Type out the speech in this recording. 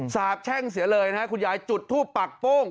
สาบแช่งเสียเลยนะคุณยายจุดทูปปักโป้ง